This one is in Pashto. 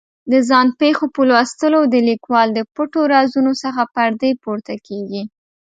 د ځان پېښو په لوستلو د لیکوال د پټو رازونو څخه پردې پورته کېږي.